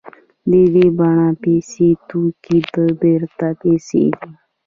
د دې بڼه پیسې توکي او بېرته پیسې دي